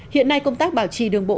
hiện nay công tác bảo trì đường bộ